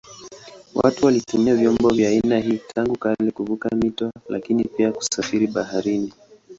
Watu walitumia vyombo vya aina hii tangu kale kuvuka mito lakini pia kusafiri baharini.